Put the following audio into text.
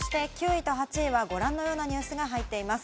そして９位と８位はご覧のようなニュースが入っています。